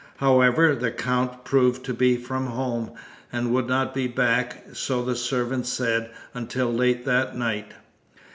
However, the Count proved to be from home, and would not be back, so the servant said, until late that night.